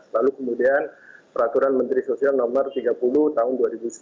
lalu kemudian peraturan menteri sosial nomor tiga puluh tahun dua ribu sembilan belas